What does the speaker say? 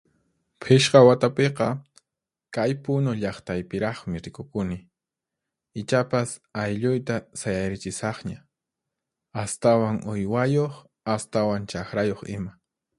Phishqa watapiqa kay Punu llaqtayllapiraqmi rikukuni. Ichapas aylluyta sayarichisaqña, astawan uywayuq, astawan chaqrayuq ima.